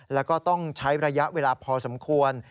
แล้วก็ต้องใช้ระยะเวลาพอสมควร